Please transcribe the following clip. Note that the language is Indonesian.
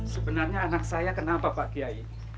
sebenarnya anak saya kenal bapak kiai